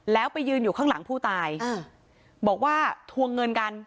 แล้วไปยืนอยู่ข้างหลังผู้ตายบอกว่าทวงเงินกัน